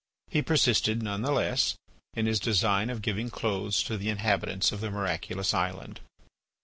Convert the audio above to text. He persisted, none the less, in his design of giving clothes to the inhabitants of the miraculous island.